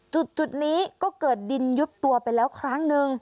จุดนี้ก็เกิดดินยุบตัวไปแล้วครั้งหนึ่ง